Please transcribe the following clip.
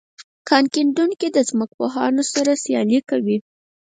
کان کیندونکي د ځمکپوهانو سره سیالي کوي